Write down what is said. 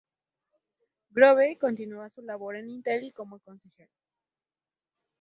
Grove continúa su labor en Intel como consejero.